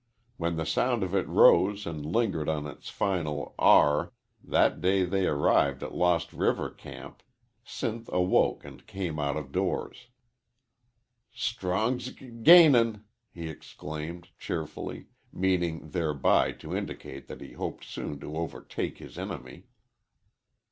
When the sound of it rose and lingered on its final r, that day they arrived at Lost River camp, Sinth awoke and came out of doors. "Strong's g gainin'!" he exclaimed, cheerfully, meaning thereby to indicate that he hoped soon to overtake his enemy.